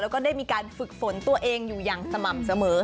และการฝึกฝนตัวเองอยู่อย่างสม่ำเสมอ